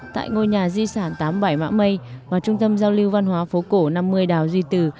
tại ngôi nhà di sản tám mươi bảy mã mây và trung tâm giao lưu văn hóa phố cổ năm mươi đào duy từ